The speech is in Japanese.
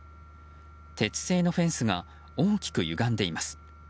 鉄製のフェンスが大きくゆがんでいます。